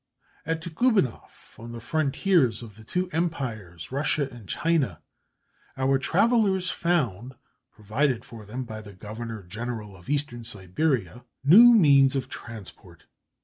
At Guibanoff, on the frontiers of the two empires, Russia and China, our travellers found provided for them, by the Governor General of Eastern Siberia, new means of transport.